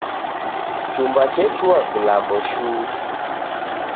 Chumba chechua vilambo shuu